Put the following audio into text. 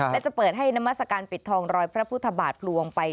และจะเปิดให้นามัศกาลปิดทองรอยพระพุทธบาทพลวงไป